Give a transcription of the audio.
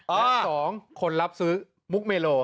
และ๒คนรับซื้อมุกเมโล